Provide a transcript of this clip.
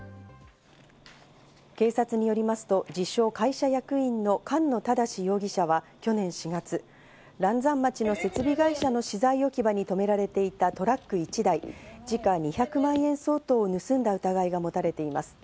警察によりますと、自称会社役員の菅野正容疑者は去年４月、嵐山町の設備会社の資材置き場に止められていたトラック１台、時価２００万円相当を盗んだ疑いが持たれています。